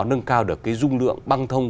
nâng cao được cái dung lượng băng thông